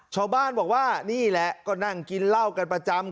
ชาวบ้านบอกว่านี่แหละก็นั่งกินเหล้ากันประจำ